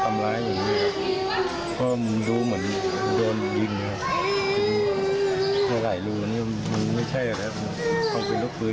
กลับมาเล่นมานอนพักคอน